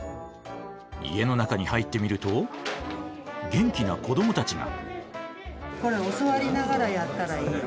家の中に入ってみると元気な子どもたちが。